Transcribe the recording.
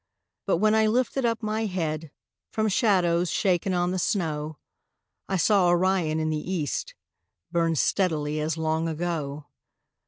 But when I lifted up my head From shadows shaken on the snow, I saw Orion in the east Burn steadily as long ago.